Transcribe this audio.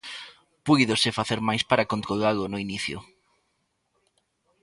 Púidose facer máis para controlalo no inicio.